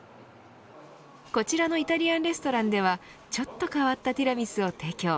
こちらのイタリアンレストランではちょっと変わったティラミスを提供。